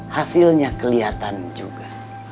hasilnya kelihatan juga